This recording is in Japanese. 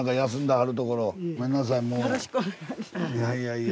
はい。